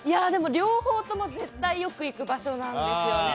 両方とも絶対よく行く場所なんですよね。